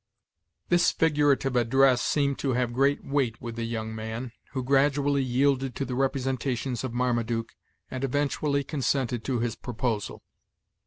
This figurative address seemed to have great weight with the young man, who gradually yielded to the representations of Marmaduke, and eventually consented to his proposal.